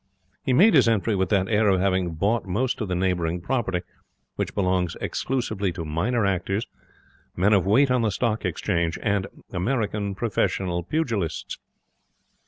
He made his entry with that air of having bought most of the neighbouring property which belongs exclusively to minor actors, men of weight on the Stock Exchange, and American professional pugilists.